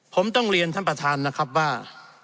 ผมต้องเรียนท่านประธานนะครับว่า